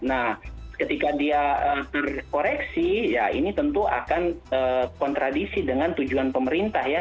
nah ketika dia terkoreksi ya ini tentu akan kontradisi dengan tujuan pemerintah ya